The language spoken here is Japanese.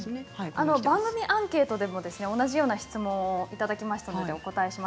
番組アンケートでも同じような質問をいただきました。